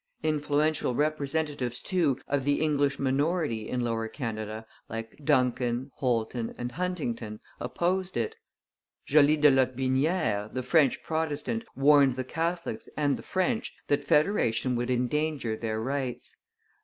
Influential representatives, too, of the English minority in Lower Canada, like Dunkin, Holton, and Huntington, opposed it. Joly de Lotbinière, the French Protestant, warned the Catholics and the French that federation would endanger their rights.